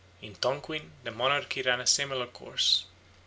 In Tonquin the monarchy ran a similar course.